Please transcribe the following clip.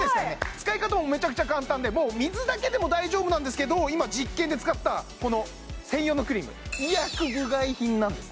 使い方もめちゃくちゃ簡単でもう水だけでも大丈夫なんですけど今実験で使ったこの専用のクリーム医薬部外品なんですね